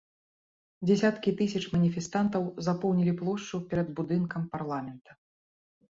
Дзесяткі тысяч маніфестантаў запоўнілі плошчу перад будынкам парламента.